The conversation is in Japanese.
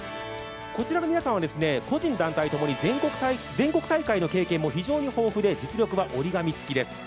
こちらの皆さんは個人団体と全国大会の経験も非常に豊富で実力は折り紙つきです。